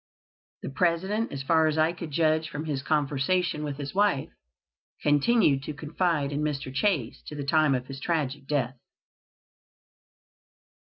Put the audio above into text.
The President, as far as I could judge from his conversation with his wife, continued to confide in Mr. Chase to the time of his tragic death.